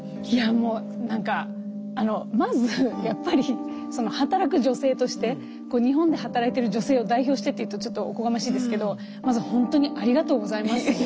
いやもうなんかまずやっぱり働く女性として日本で働いている女性を代表してっていうとちょっとおこがましいですけどまずほんとにありがとうございます。